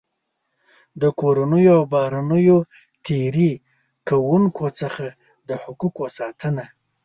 د کورنیو او بهرنیو تېري کوونکو څخه د حقوقو ساتنه.